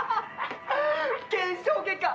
検証結果